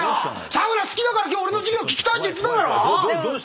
サウナ好きだから今日俺の授業聞きたいって言ってただろ⁉何だよ！